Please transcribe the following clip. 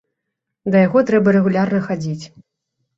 Да яго трэба рэгулярна хадзіць.